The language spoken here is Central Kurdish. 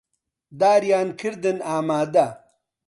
داریان کردن ئامادە